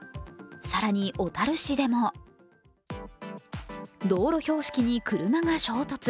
更に小樽市でも道路標識に車が衝突。